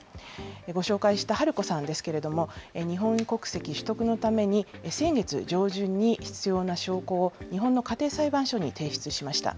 ご紹介したハルコさんですけれども、日本国籍取得のために、先月上旬に、必要な証拠を日本の家庭裁判所に提出しました。